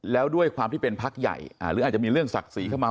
แล้วด้วยความที่เป็นพักใหญ่หรืออาจจะมีเรื่องศักดิ์ศรีเข้ามา